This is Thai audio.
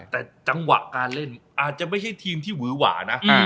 แต่จังหวะการเล่นอาจจะไม่ใช่ทีมที่หวือหวานะ